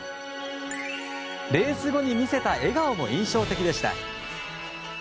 レース後に見せた笑顔も印象的でした。